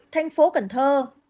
thành phố cần thơ